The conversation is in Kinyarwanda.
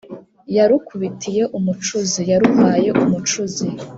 . Yarukubitiye umucuzi: Yaruhaye umucuzi.